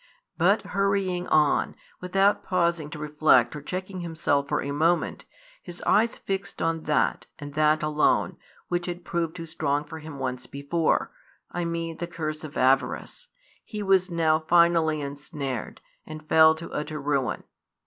But hurrying on, without pausing to reflect or checking himself for a moment, his eyes fixed on that, and that alone, which had proved too strong for him once before, I mean the curse of avarice, he was now finally ensnared, and fell to utter ruin.